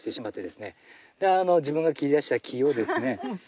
で自分が切り出した木をですね